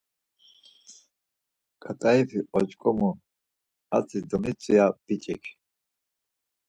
Ǩat̆aifi oç̌ǩomi hatzi domitzvi ya biç̌ik.